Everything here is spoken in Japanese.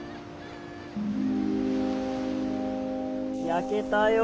焼けたよ。